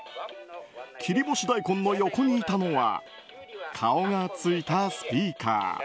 切り干し大根の横にいたのは顔がついたスピーカー。